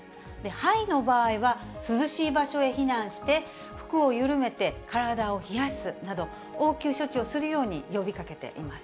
はいの場合は、涼しい場所へ避難して、服を緩めて、体を冷やすなど、応急処置をするように呼びかけています。